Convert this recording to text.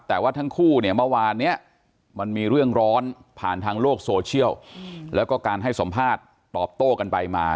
แต่ว่าทั้งคู่เนี่ยเมื่อวานเนี่ยมันมีเรื่องร้อนผ่านทางโลกโซเชียลแล้วก็การให้สัมภาษณ์ตอบโต้กันไปมา